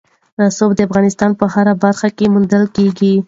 رسوب د افغانستان په هره برخه کې موندل کېږي.